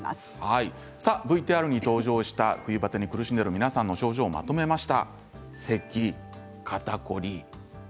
ＶＴＲに登場した冬バテに苦しんでいる皆さんの症状をまとめました。